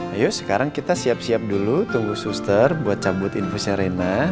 ayo sekarang kita siap siap dulu tunggu suster buat cabut infusnya reina